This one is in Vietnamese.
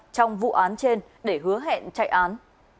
trong vụ án trên để hứa hẹn chạy án